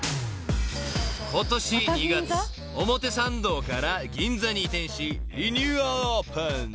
［今年２月表参道から銀座に移転しリニューアルオープン］